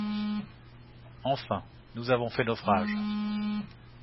Enfin, nous avons fait naufrage…